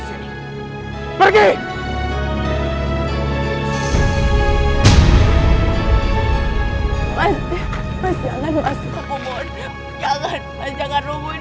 hei pak mahmud